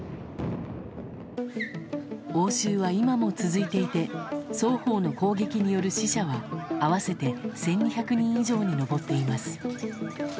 応酬は今も続いていて双方の攻撃による死者は合わせて１２００人以上に上っています。